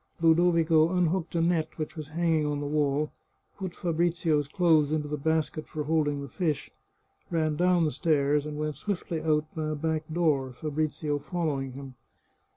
Ludovico unhooked a net which was hanging on the wall, put Fabrizio's clothes into the basket for holding the fish, ran down the stairs, and went swiftly out by a back door, Fabrizio following him.